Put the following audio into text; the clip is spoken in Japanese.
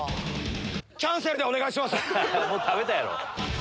もう食べたやろ。